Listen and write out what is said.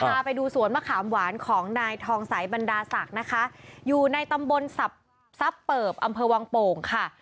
พาไปดูสวนมะขามหวานของนายทองสายบรรดาศักดิ์นะคะอยู่ในตำบลสับเปิบอำเภอวังโป่งค่ะ